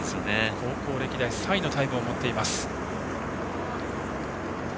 高校歴代３位のタイムを持っています。